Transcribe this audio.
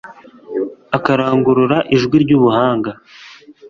Akarangurura ijwi ryubuhanga